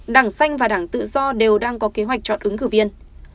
đảng xanh và đảng tự do đều đang có kế hoạch chọn ứng cử viên